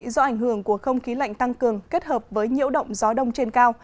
do ảnh hưởng của không khí lạnh tăng cường kết hợp với nhiễu động gió đông trên cao